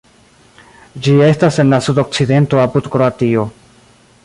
Ĝi estas en la sudokcidento apud Kroatio.